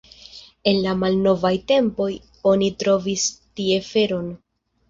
En la malnovaj tempoj oni trovis tie feron.